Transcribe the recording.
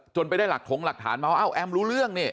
ไปได้หลักถงหลักฐานมาว่าเอ้าแอมรู้เรื่องนี่